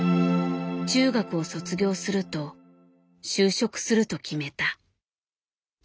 中学を卒業すると就職すると決めた。